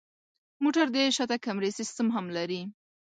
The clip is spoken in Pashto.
موټر د شاته کمرې سیستم هم لري.